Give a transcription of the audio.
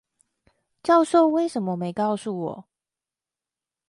教授為什麼沒告訴我